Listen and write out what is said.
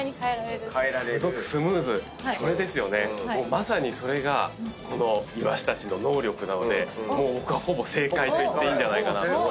まさにそれがこのイワシたちの能力なのでもう僕はほぼ正解と言っていいんじゃないかなと思います。